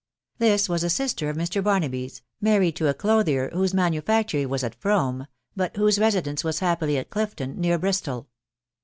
This was a sister of Mr. BarnabyV, married to a clothier, whose manufactory was at Frome, but whose residence was happily at Clifton, near Bristol.